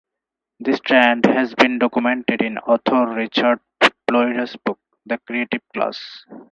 This trend has been documented in author Richard Florida's book, The Creative Class.